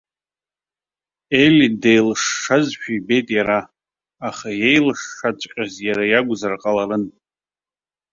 Ели деилышшазшәа ибеит иара, аха еилышшаҵәҟьаз иара иакәзар ҟаларын.